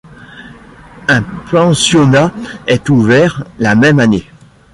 Un pensionnat est ouvert la même année.